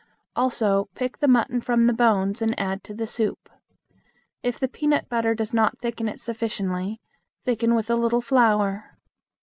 Also pick the mutton from the bones and add to the soup. If the peanut butter does not thicken it sufficiently, thicken with a little flour.